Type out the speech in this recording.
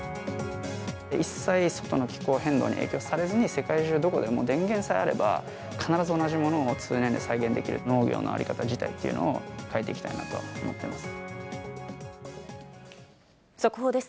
一切、外の気候変動に影響されることなく、世界中どこでも、電源さえあれば、必ず同じものを通年で再現できる、農業の在り方自体というのを変え速報です。